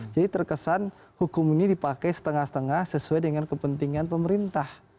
jadi terkesan hukum ini dipakai setengah setengah sesuai dengan kepentingan pemerintah